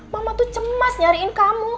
mama tuh cemas nyariin kamu